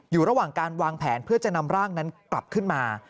อยู่ระหว่างการวางแผนเพื่อจะนำร่างนั้นกลับขึ้นมา